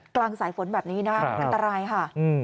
กลางสายฝนแบบนี้นะอันตรายค่ะ